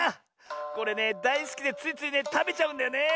これねだいすきでついついねたべちゃうんだよねえ。